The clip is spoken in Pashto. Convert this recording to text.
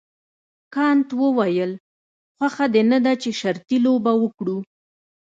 کانت وویل خوښه دې نه ده چې شرطي لوبه وکړو.